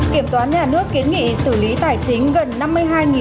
kiểm toán nhà nước kiến nghị xử lý tài chính gần năm mươi hai triệu đồng